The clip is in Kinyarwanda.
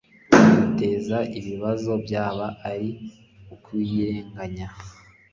iduteza ibibazo byaba ari ukuyirenganya